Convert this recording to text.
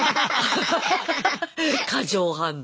過剰反応。